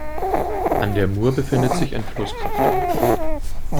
An der Mur befindet sich ein Flusskraftwerk.